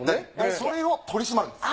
それを取り締まるんです。